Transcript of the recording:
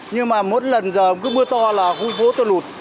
nhưng mà một lần giờ mưa to là khu vũ tôi lụt